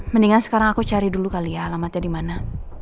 mendingan sekarang aku cari dulu kali ya alamatnya dimana